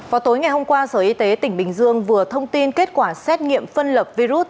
vào tối ngày hôm qua sở y tế tỉnh bình dương vừa thông tin kết quả xét nghiệm phân lập virus